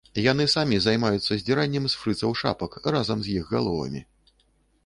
Яны самі займаюцца здзіраннем з фрыцаў шапак разам з іх галовамі.